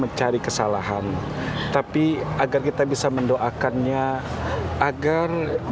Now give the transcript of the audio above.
mencari kesalahan tapi agar kita bisa mendoakan nya agar jenazah bisa diterima